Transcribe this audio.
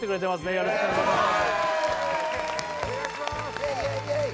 よろしくお願いします